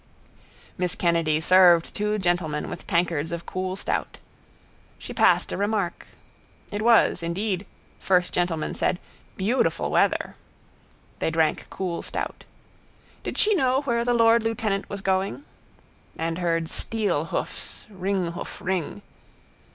Miss Kennedy served two gentlemen with tankards of cool stout. She passed a remark. It was indeed, first gentleman said, beautiful weather. They drank cool stout. Did she know where the lord lieutenant was going? And heard steelhoofs ringhoof ring.